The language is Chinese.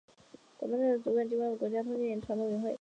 广播电台的主管机关为国家通讯传播委员会。